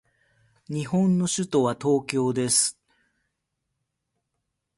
日本の首都は東京です。